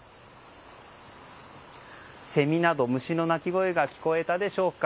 セミなど虫の鳴き声が聞こえたでしょうか。